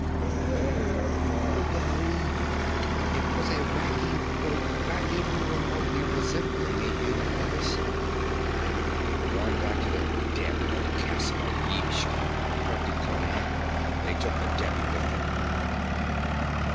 'Where are they?' It was a racking croak not even remotely resembling a human voice. 'Gone back to their damnable castle on Yimsha,' grunted Conan. 'They took the Devi with them.'